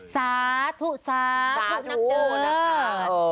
สาธุสาธุนักเดอร์